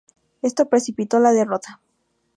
Esto precipitó la derrota.